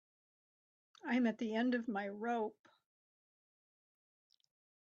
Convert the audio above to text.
I'm at the end of my rope.